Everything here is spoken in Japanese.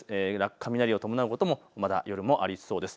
雷を伴うこともまだ夜もありそうです。